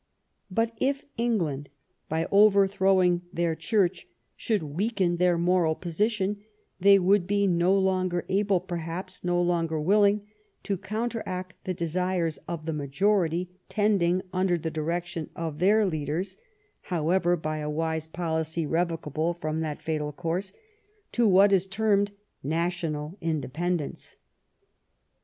But if England, by overthrowing their Church, should weaken their moral position, they would be no longer able, perhaps no longer will ing, to counteract the desires of the majority tend ing under the direction of their leaders (however, 74 THE STORY OF GLADSTOiNES LIFE by a wise policy, revocable from that fatal course) to what is termed national independence.